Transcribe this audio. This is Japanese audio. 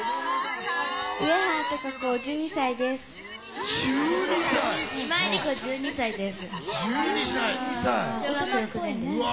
上原多香子１２歳です。